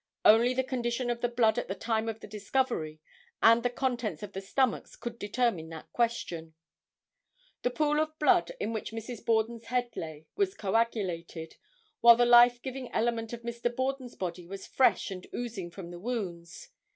Only the condition of the blood at the time of the discovery, and the contents of the stomachs could determine that question. The pool of blood in which Mrs. Borden's head lay was coagulated, while the life giving element of Mr. Borden's body was fresh and oozing from the wounds.